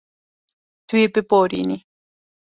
Tu yê biborînî.